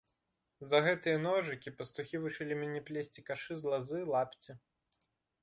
За гэтыя ножыкі пастухі вучылі мяне плесці кашы з лазы, лапці.